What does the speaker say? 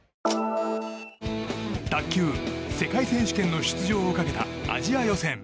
卓球・世界選手権の出場をかけたアジア予選。